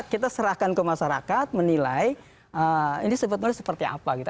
kita serahkan ke masyarakat menilai ini sebetulnya seperti apa gitu